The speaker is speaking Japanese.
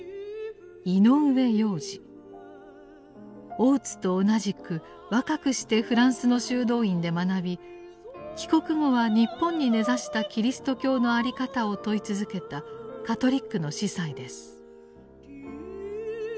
大津と同じく若くしてフランスの修道院で学び帰国後は日本に根ざしたキリスト教の在り方を問い続けたカトリックの司祭です。